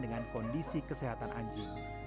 dengan kondisi kesehatan anjing